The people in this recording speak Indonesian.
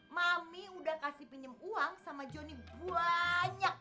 mami udah kasih pinjam uang sama johnny banyak